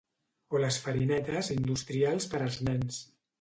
O les farinetes industrials per als nens.